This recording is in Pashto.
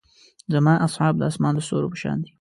زما اصحاب د اسمان د ستورو پۀ شان دي.